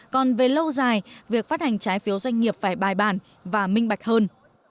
còn về lâu dài việc phát hành trái phiếu doanh nghiệp phải bài bản và minh bạch hơn